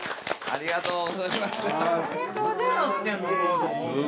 ありがとうございます。